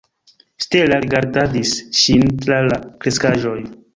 Stella rigardadis ŝin tra la kreskaĵoj.